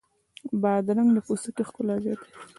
بادرنګ د پوستکي ښکلا زیاتوي.